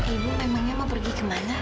ibu emangnya mau pergi kemana